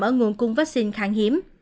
ở nguồn cung vaccine kháng hiếm